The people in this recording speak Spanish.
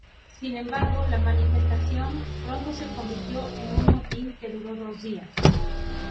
Sin embargo, la manifestación pronto se convirtió en un motín que duró dos días.